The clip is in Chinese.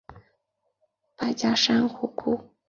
白颊山鹧鸪为雉科山鹧鸪属的鸟类。